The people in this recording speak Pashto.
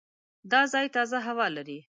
دا ځای تازه هوا لري.